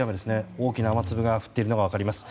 大きな雨粒が降っているのが分かります。